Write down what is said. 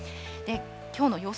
きょうの予想